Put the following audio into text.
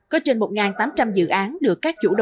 có trên một tám trăm linh dự án được các chủ đầu tư